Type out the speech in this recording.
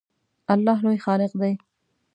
الله لوی خالق دی